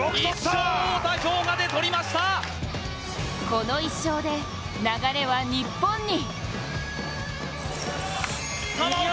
この１勝で流れは日本に。